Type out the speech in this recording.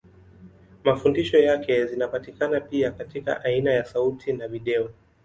Mafundisho yake zinapatikana pia katika aina ya sauti na video.